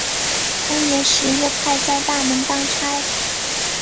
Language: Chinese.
同年十月派在大门当差。